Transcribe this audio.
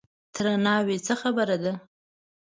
_تره ناوې! څه خبره ده؟